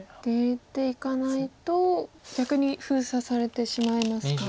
出ていかないと逆に封鎖されてしまいますか。